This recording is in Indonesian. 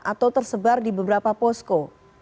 atau tersebar di beberapa posko